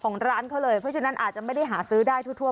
ของร้านเขาเลยเพราะฉะนั้นอาจจะไม่ได้หาซื้อได้ทั่ว